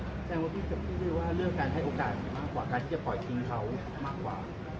แสดงว่าพี่คือว่าเลือกการให้โอกาสก่อนกว่าการที่จะปล่อยจริงเขามากกว่า